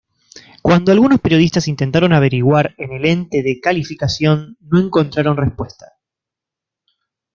Cuando algunos periodistas intentaron averiguar en el Ente de Calificación, no encontraron respuesta.